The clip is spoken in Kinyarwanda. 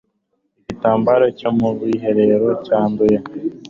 igitambaro cyo mu bwiherero cyanduye